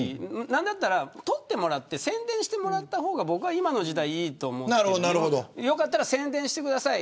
なんだったら撮ってもらって宣伝してもらった方が今の時代、いいと思っていてよかったら宣伝してください。